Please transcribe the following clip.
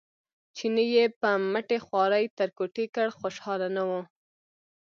چیني یې په مټې خوارۍ تر کوټې کړ خوشاله نه و.